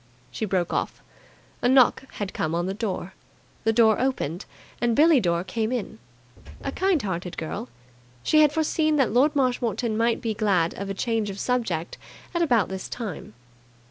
She broke off. A knock had come on the door. The door opened, and Billie Dore came in. A kind hearted girl, she had foreseen that Lord Marshmoreton might be glad of a change of subject at about this time.